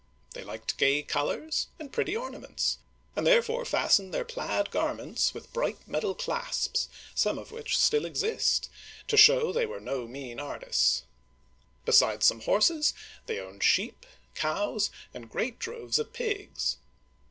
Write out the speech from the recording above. They liked gay colors and pretty ornaments, and there fore fastened their plaid garments with bright metal clasps, some of which still exist, to show that they were no mean artists! Besides some horses, they owned sheep, cows, and great droves of pigs.